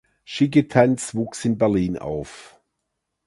Schicketanz wuchs in Berlin auf.